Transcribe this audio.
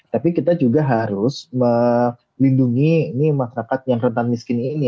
tapi kita juga harus melindungi masyarakat yang rentan miskin ini